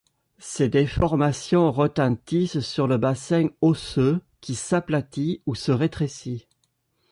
Ces déformations retentissent sur le bassin osseux qui s'aplatit ou se rétrécit.